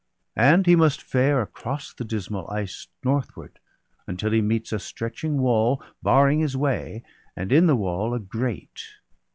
And he must fare across the dismal ice Northward, until he meets a stretching wall Barring his way, and in the wall a grate.